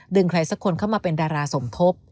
ใครสักคนเข้ามาเป็นดาราสมทบ